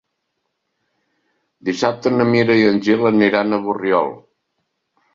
Dissabte na Mira i en Gil aniran a Borriol.